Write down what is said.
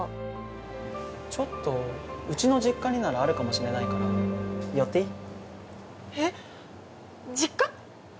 ちょっとうちの実家にならあるかもしれないから寄っていい？